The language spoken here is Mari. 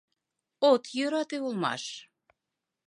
От йӧрате улмаш...